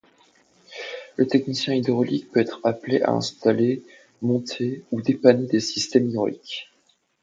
Le technicien hydraulique peut être appelé à installer, monter ou dépanner des systèmes hydrauliques.